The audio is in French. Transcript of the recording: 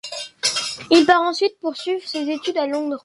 Il part ensuite poursuivre ses études à Londres.